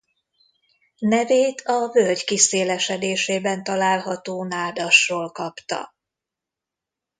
Nevét a völgy kiszélesedésében található nádasról kapta.